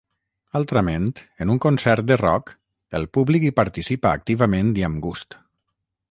Altrament, en un concert de rock, el públic hi participa activament i amb gust.